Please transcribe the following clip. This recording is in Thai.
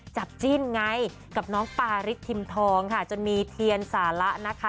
จิ้นไงกับน้องปาริสทิมทองค่ะจนมีเทียนสาระนะคะ